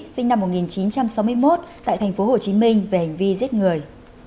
sinh năm một nghìn chín trăm sáu mươi một tại tp hcm về hành vi giết người